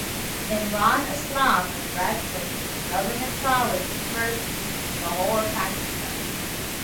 Imran Aslam graduated from Government College University, Lahore, Pakistan.